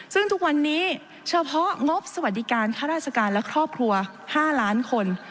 ซึ่งทุกวันนี้เฉพาะงบสวัสดิการข้าราชการและครอบครัว๕ล้านคน